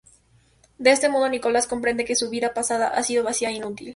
De este modo, Nicolás comprende que su vida pasada ha sido vacía e inútil.